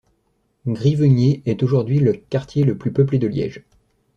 Grivegnée est aujourd'hui le quartier le plus peuplé de Liège.